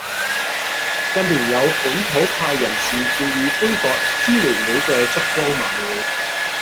近年有本土派人士建議杯葛支聯會嘅燭光晚會